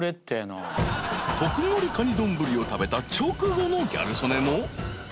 ［特盛りカニ丼を食べた直後のギャル曽根も］